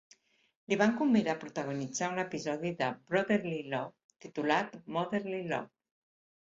Li van convidar a protagonitzar un episodi de "Brotherly Love" titulat "Motherly Love".